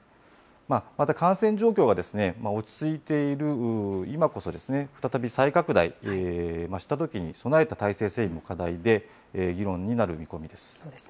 また感染状況が落ち着いている今こそ、再び再拡大したときに、備えた体制整備も課題で、議論になる見込みです。